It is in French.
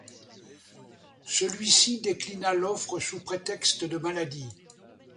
Celui-ci déclina l'offre sous prétexte de maladie.